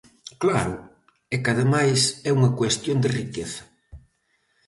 Claro, é que ademais é unha cuestión de riqueza.